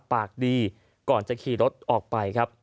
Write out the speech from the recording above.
ปากดีก่อนจะขี่รถออกไปครับ